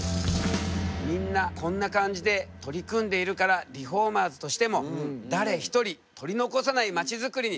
みんなこんな感じで取り組んでいるからリフォーマーズとしても誰ひとり取り残さない街づくりに貢献したいよね。